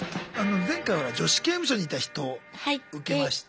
前回ほら「女子刑務所にいた人」受けまして。